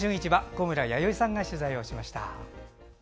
小村弥生さんが取材をしました。